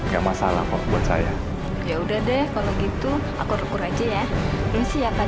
ya meskipun sekarang lagi tuker tanggung jawab